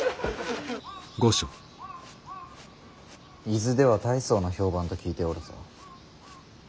伊豆では大層な評判と聞いておるぞ。